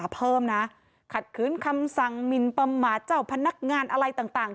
เพิ่มนะขัดขืนคำสั่งมินประมาทเจ้าพนักงานอะไรต่าง